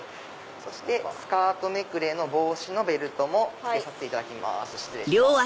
そしてスカートめくれの防止のベルトも着けさせていただきます。